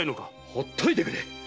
ほっといてくれ！